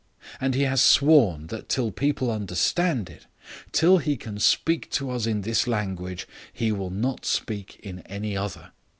And he has sworn that till people understand it, till he can speak to us in this language, he will not speak in any other.